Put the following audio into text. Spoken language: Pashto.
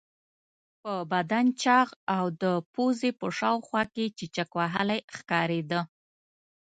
په بدن چاغ او د پوزې په شاوخوا کې چیچک وهلی ښکارېده.